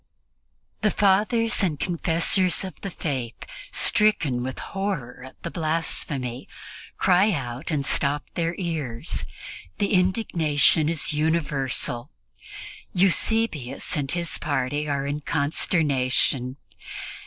The Fathers and Confessors of the Faith, stricken with horror at the blasphemy, cry out and stop their ears. The indignation is universal. Eusebius and his party are in consternation.